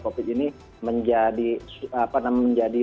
covid sembilan belas ini menjadi